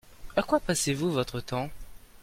À quoi passez-vous votre temps ?